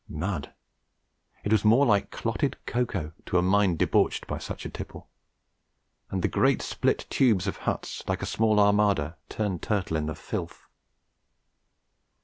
Mud! It was more like clotted cocoa to a mind debauched by such tipple, and the great split tubes of huts like a small armada turned turtle in the filth.